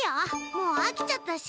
もうあきちゃったし。